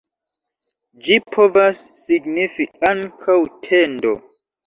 Ĝi povas signifi ankaŭ "tendo".